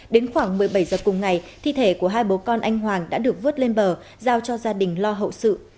đến khoảng một mươi bảy giờ cùng ngày thi thể của hai bố con anh hoàng đã được vớt lên bờ giao cho gia đình lo hậu sự